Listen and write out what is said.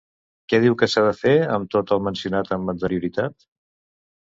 Què diu que s'ha de fer amb tot el mencionat amb anterioritat?